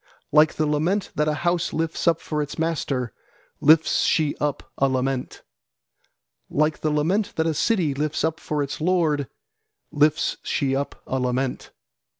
Like the lament that a house lifts up for its master, lifts she up a lament, Like the lament that a city lifts up for its lord, lifts she up a lament.